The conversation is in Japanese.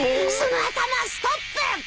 その頭ストップ！